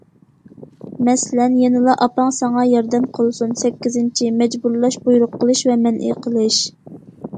مەسىلەن:« يەنىلا ئاپاڭ ساڭا ياردەم قىلسۇن...» سەككىزىنچى، مەجبۇرلاش، بۇيرۇق قىلىش ۋە مەنئى قىلىش.